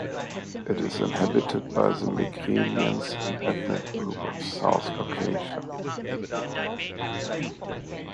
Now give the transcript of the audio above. It is inhabited by the Megrelians, an ethnic group of the South Caucasia.